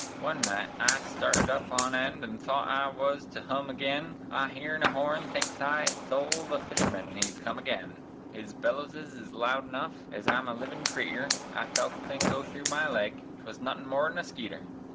One night I started up on eend an thought I wuz to hum agin, I heern a horn, thinks I it's Sol the fisherman hez come agin, His bellowses is sound enough ez I'm a livin' creeter, I felt a thing go thru my leg 'twuz nothin' more 'n a skeeter!